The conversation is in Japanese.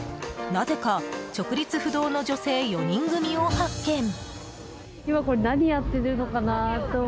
なぜか直立不動の女性４人組を発見。